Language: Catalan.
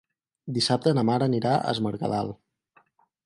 Dissabte na Mar anirà a Es Mercadal.